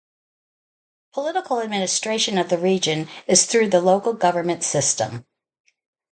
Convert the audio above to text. The political administration of the region is through the local government system.